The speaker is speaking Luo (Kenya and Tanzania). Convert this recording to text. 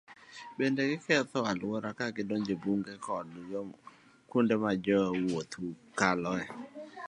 Bende, giketho alwora ka gidonjo e bunge koda kuonde ma jowuoth kaloe.